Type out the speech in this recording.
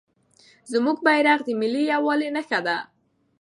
زموږ بیرغ د ملي یووالي نښه ده.